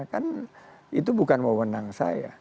kan itu bukan mewenang saya